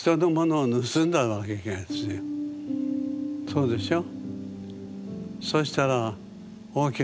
そうでしょ？